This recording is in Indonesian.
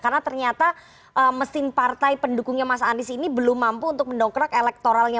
karena ternyata mesin partai pendukung mas anies ini belum mampu untuk mendukrak elektoralnya